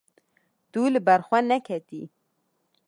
Tu li ber xwe neketiyî.